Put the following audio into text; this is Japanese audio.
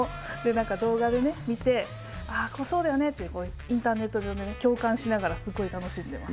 なんか動画で見て、そうだよねって、インターネット上で共感しながら、すごい楽しんでます。